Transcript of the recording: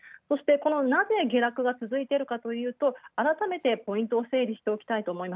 そしてなぜ下落が続いているかというと改めてポイントを整理したい。